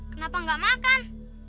kenapa enggak makan